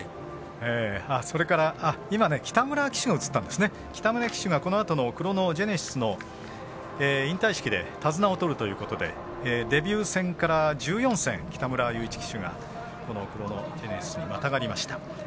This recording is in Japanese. それから北村騎手が、このあとのクロノジェネシスの引退式で手綱をとるということでデビュー戦から１４戦北村騎手がクロノジェネシスにまたがりました。